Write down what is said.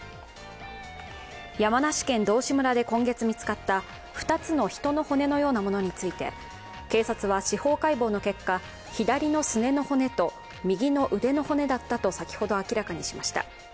山梨県道志村で今月見つかった２つの人の骨のようなものについて警察は司法解剖の結果、左のすねの骨と右の腕の骨だったと、先ほど明らかにしました。